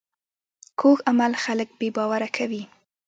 کوږ عمل خلک بې باوره کوي